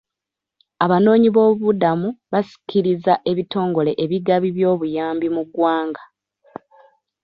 Abanoonyibobubudamu basikiriza ebitongole ebigabi by'obuyambi mu ggwanga.